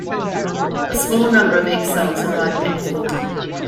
A small number of exiles arrived that fall.